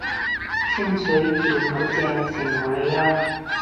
清水健好正，羨慕女優